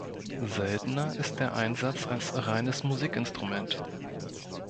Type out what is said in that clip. Seltener ist der Einsatz als reines Musikinstrument.